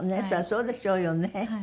それはそうでしょうよね。